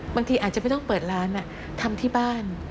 บางทีอาจจะไม่ต้องเปิดร้านทำที่บ้าน